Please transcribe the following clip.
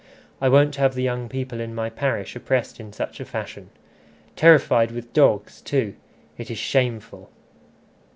I won't have the young people in my parish oppressed in such a fashion. Terrified with dogs too! It is shameful."